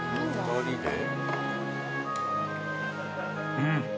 うん。